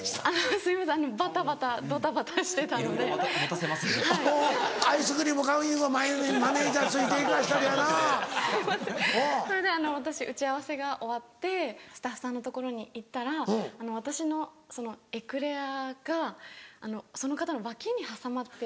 すいませんそれで私打ち合わせが終わってスタッフさんのところに行ったら私のそのエクレアがその方の脇に挟まってて。